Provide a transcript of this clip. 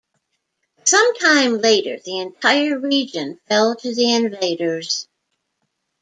Sometime later the entire region fell to the invaders.